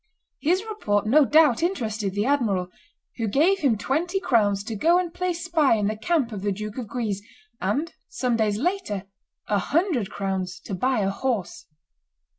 His report no doubt interested the admiral, who gave him twenty crowns to go and play spy in the camp of the Duke of Guise, and, some days later, a hundred crowns to buy a horse.